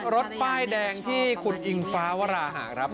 รถป้ายแดงที่คุณอิงฟ้าวราหะครับ